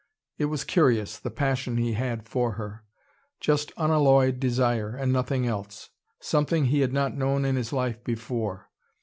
It was curious, the passion he had for her: just unalloyed desire, and nothing else. Something he had not known in his life before.